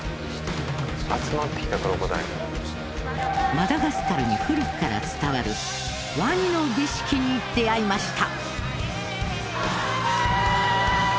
マダガスカルに古くから伝わるワニの儀式に出会いました。